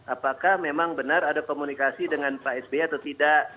apakah memang benar ada komunikasi dengan pak sby atau tidak